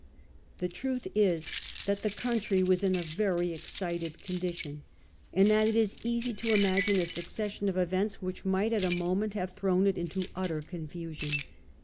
The truth is that the country was in a very excited condition, and that it is easy to imagine a succession of events which might in a moment have thrown it into utter confusion.